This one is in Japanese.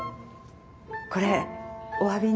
これおわびに。